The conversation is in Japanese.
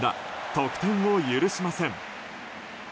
得点を許しません。